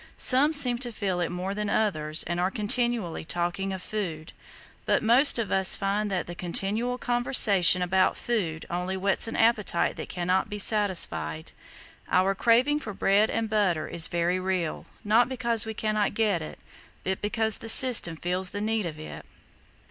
Some seem to feel it more than others and are continually talking of food; but most of us find that the continual conversation about food only whets an appetite that cannot be satisfied. Our craving for bread and butter is very real, not because we cannot get it, but because the system feels the need of it."